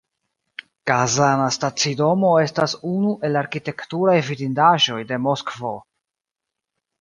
Kazana stacidomo estas unu el arkitekturaj vidindaĵoj de Moskvo.